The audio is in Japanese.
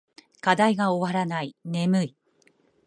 課題が終わらない。眠い。